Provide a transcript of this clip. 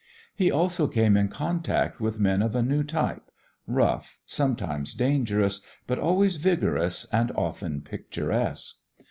He also came in contact with men of a new type, rough, sometimes dangerous, but always vigorous and often picturesque.